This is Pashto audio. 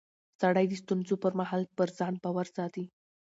سړی د ستونزو پر مهال پر ځان باور ساتي